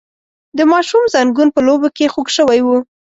د ماشوم زنګون په لوبو کې خوږ شوی و.